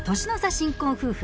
新婚夫婦